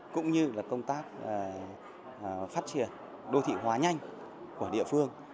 cũng như là công tác phát triển đô thị hóa nhanh của địa phương